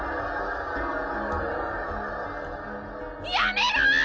やめろ！